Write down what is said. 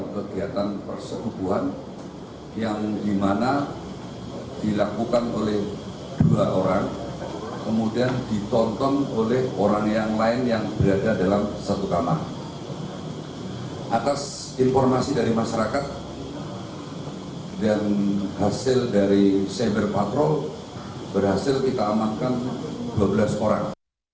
berhasil kita amankan dua belas orang